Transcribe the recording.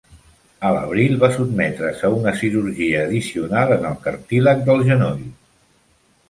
A l'abril va sotmetre's a una cirurgia addicional en el cartílag del genoll.